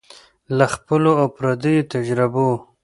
له خپلو او پردیو تجربو